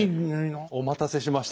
お待たせしました。